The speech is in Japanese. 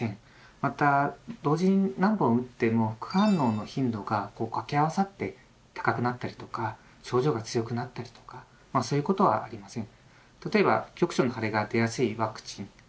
また同時に何本打っても副反応の頻度が掛け合わさって高くなったりとか症状が強くなったりとかそういうことはありません。